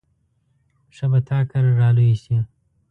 ښه به تا کره را لوی شي.